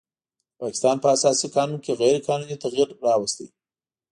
د پاکستان په اساسي قانون کې غیر قانوني تغیر راوست